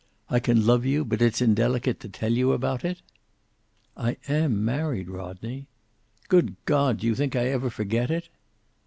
"I can love you, but it's indelicate to tell you about it!" "I am married, Rodney." "Good God, do you think I ever forget it?"